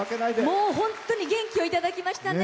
本当に元気をいただきましたね。